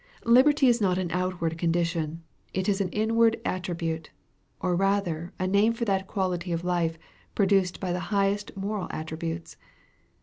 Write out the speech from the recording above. Liberty is not an outward condition. It is an inward attribute, or rather a name for the quality of life produced by the highest moral attributes.